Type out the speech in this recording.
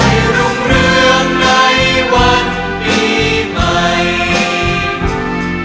รุ่งเรืองในวันปีใหม่